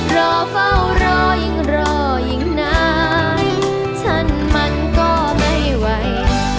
รอเฝ้ารอยิ่งรอยิ่งนานฉันมันก็ไม่ไหว